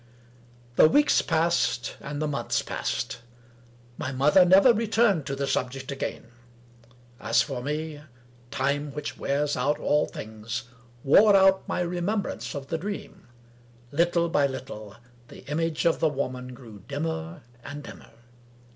The weeks passed, and the months passed. My mother never returned to the subject again. As for me, time, which wears out all things, wore out my remembrance of the Dream. Little by little, the image of the Woman grew dimmer and dimmer.